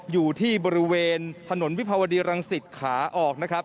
อยู่ที่บริเวณถนนวิภาวดีรังสิตขาออกนะครับ